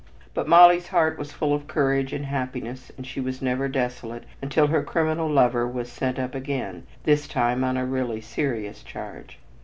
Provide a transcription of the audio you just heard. But Molly's heart was full of courage and happiness, and she was never desolate until her criminal lover was "sent up" again, this time on a really serious charge.